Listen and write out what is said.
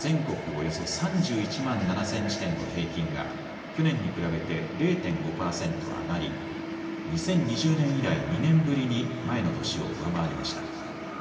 およそ３１万７０００地点の平均が去年に比べて０．５％上がり、２０２０年以来、２年ぶりに前の年を上回りました。